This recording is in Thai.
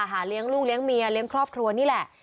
หาเลี้ยงลูกเลี้ยงเมียเลี้ยงครอบครัวนี่แหละ